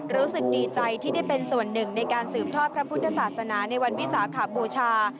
รู้สึกดีใจที่ได้เป็นส่วนหนึ่งในการสืบทอดพระพุทธศาสนาในวันวิสาขบูชา